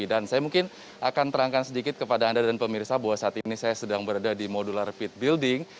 dan saya mungkin akan terangkan sedikit kepada anda dan pemirsa bahwa saat ini saya sedang berada di modular pit building